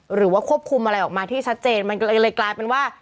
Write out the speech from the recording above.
หรือว่าควบคุมอะไรออกมาที่ชัดเจนมันก็เลยกลายเป็นว่า